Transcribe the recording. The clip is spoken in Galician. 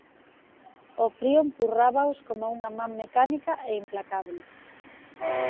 O frío empurrábaos como unha man mecánica e implacábel.